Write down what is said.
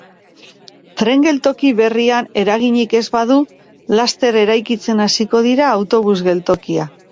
Tren geltoki berrian eraginik ez badu, laster eraikitzen hasiko dira autobus geltokia.